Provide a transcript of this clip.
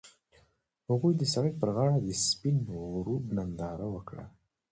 هغوی د سړک پر غاړه د سپین غروب ننداره وکړه.